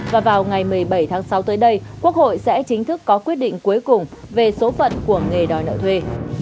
và vào ngày một mươi bảy tháng sáu tới đây quốc hội sẽ chính thức có quyết định cuối cùng về số phận của nghề đòi nợ thuê